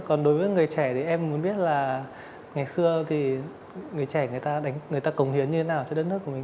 còn đối với người trẻ thì em muốn biết là ngày xưa thì người trẻ người ta cống hiến như thế nào cho đất nước của mình